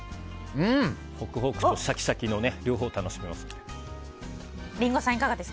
ホクホクとシャキシャキの両方楽しめますので。